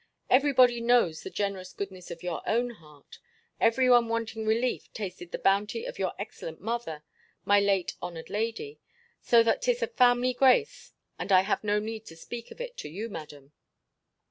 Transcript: Every body knows the generous goodness of your own heart: every one wanting relief tasted the bounty of your excellent mother my late honoured lady: so that 'tis a family grace, and I have no need to speak of it to you. Madam.